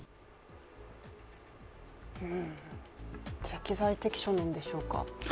適材適所なんでしょうか？